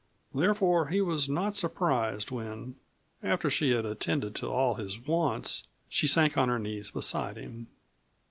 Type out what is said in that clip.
Therefore he was not surprised when, after she had attended to all his wants, she sank on her knees beside him.